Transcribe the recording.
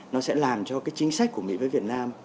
nó sẽ làm cho cái chính sách của mỹ với việt nam